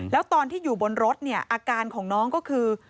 แล้วตอนที่อยู่บนรถเนี่ยอาการของน้องก็คือ